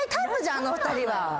あの２人は。